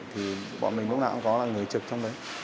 thì rồi bao giờ hết dịch bệnh